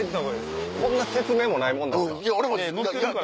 こんな説明ないもんすか。